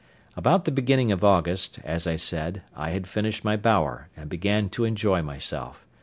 About the beginning of August, as I said, I had finished my bower, and began to enjoy myself.